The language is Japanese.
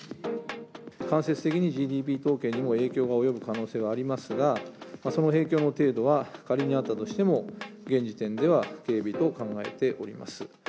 間接的にＧＤＰ統計にも影響が及ぶ可能性がありますが、その影響の程度は、仮にあったとしても現時点では軽微と考えております。